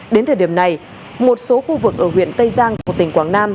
đến thời điểm này một số khu vực ở huyện tây giang của tỉnh quảng nam